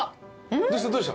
どうした？